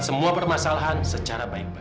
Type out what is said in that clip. ya kasihan dia